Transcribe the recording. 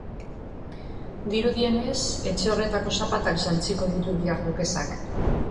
Dirudienez, etxe horretako zapatak jantziko ditu bihar dukesak.